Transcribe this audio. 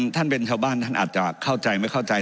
ท่านเป็นชาวบ้านท่านอาจจะเข้าใจไม่เข้าใจ